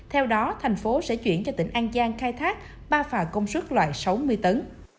theo đó thành phố sẽ chuyển cho tỉnh an giang khai thác ba phà công suất loại sáu mươi tấn